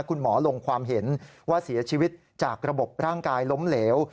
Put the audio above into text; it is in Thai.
คุณหมอลงความเห็นว่าเสียชีวิตจากระบบร่างกายล้มเหลว